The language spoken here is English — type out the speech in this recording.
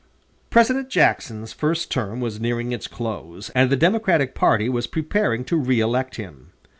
President Jackson's first term was nearing its close, and the Democratic party was preparing to reëlect him.